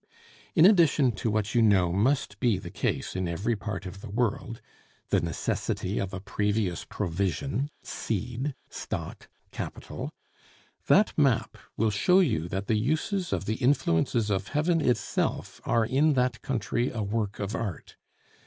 In addition to what you know must be the case in every part of the world (the necessity of a previous provision, seed, stock, capital) that map will show you that the uses of the influences of heaven itself are in that country a work of art.